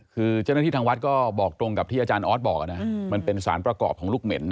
คือเจ้าหน้าที่ทางวัดก็บอกตรงกับที่อาจารย์ออสบอกนะมันเป็นสารประกอบของลูกเหม็น